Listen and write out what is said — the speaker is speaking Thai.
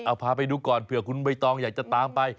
เอาพาไปดูก่อนเผื่อคุณใบตองอยากจะตามไป